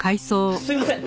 すいません！